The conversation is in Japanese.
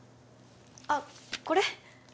あっこれ？